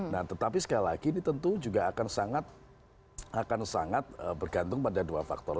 nah tetapi sekali lagi ini tentu juga akan sangat bergantung pada dua faktor